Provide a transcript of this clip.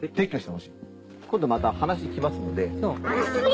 今度また話に来ますんで。